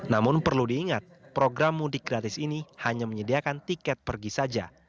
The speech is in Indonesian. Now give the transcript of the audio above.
namun perlu diingat program mudik gratis ini hanya menyediakan tiket pergi saja